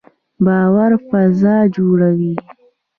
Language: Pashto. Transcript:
باور فضا جوړوي